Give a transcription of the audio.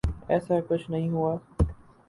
ایساکچھ نہیں ہوا۔